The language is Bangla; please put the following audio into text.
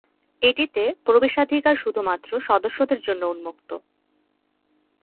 এটিতে প্রবেশাধিকার শুধুমাত্র সদস্যদের জন্য উন্মুক্ত।